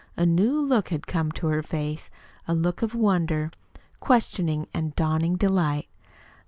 A new look had come to her face a look of wonder, questioning, and dawning delight.